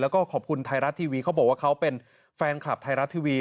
แล้วก็ขอบคุณไทยรัฐทีวีเขาบอกว่าเขาเป็นแฟนคลับไทยรัฐทีวี